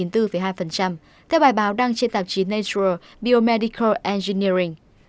theo bài báo đăng trên tạp chí nature biomedical angineering